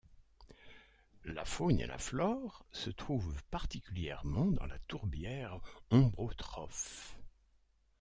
La faune et la flore se trouvent particulièrement dans la tourbière ombrotrophe.